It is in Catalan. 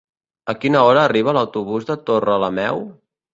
A quina hora arriba l'autobús de Torrelameu?